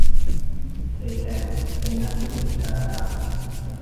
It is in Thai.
เซแกนเป็นนักฟิสิกส์ดาราศาสตร์